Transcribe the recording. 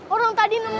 orang tadi nemu